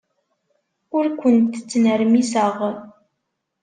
Ur kent-ttnermiseɣ.